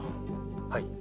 はい。